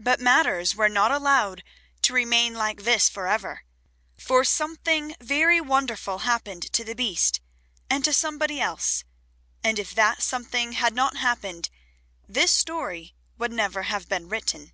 But matters were not allowed to remain like this for ever, for something very wonderful happened to the Beast and to somebody else, and if that something had not happened this story would never have been written.